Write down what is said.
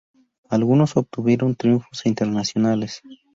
Algunos obtuvieron triunfos internacionales.